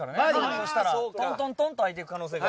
そしたらトントントンと開いてく可能性が。